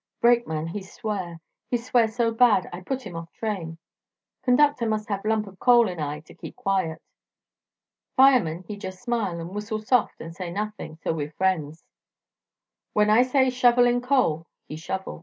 Brakeman he swear; he swear so bad I put him off train. Conductor must have lump of coal in eye to keep quiet. Fireman he jus' smile an' whistle soft an' say nothing; so we friends. When I say 'shovel in coal,' he shovel.